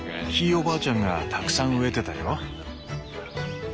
ひいおばあちゃんがたくさん植えてたよ。